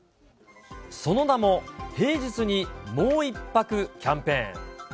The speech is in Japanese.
その名も平日にもう１泊キャンペーン。